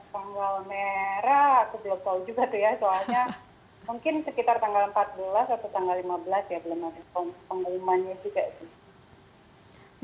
tanggal merah aku belum tahu juga tuh ya soalnya mungkin sekitar tanggal empat belas atau tanggal lima belas ya belum ada pengumumannya juga sih